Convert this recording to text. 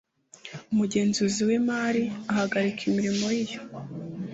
Umugenzuzi w imari ahagarika imirimo ye iyo